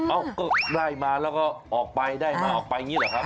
ก็ได้มาแล้วก็ออกไปได้มาออกไปอย่างนี้หรอครับ